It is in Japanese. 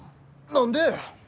何で。